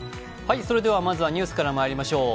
まずはニュースからまいりましょう。